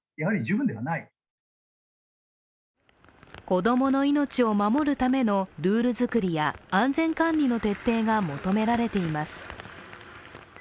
子供の命を守るためのルール作りや安全管理の徹底が求められています。